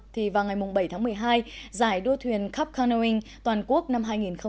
thì vào ngày bảy tháng một mươi hai giải đua thuyền cup canoeing toàn quốc năm hai nghìn hai mươi